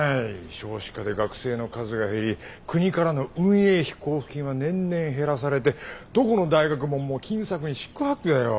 少子化で学生の数が減り国からの運営費交付金は年々減らされてどこの大学ももう金策に四苦八苦だよ。